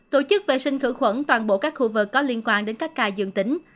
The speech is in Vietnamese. tổ chức vệ sinh khử khuẩn toàn bộ các khu vực có liên quan đến các ca dương tính